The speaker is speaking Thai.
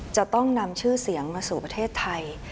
จะต้องนำชื่อเสียงมาสู่ประเทศไทย